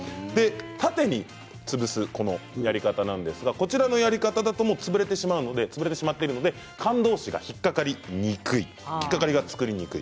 縦に潰すやり方なんですがこちらのやり方だと潰れてしまっているので缶どうしが引っ掛かりにくい引っ掛かりが作りにくい。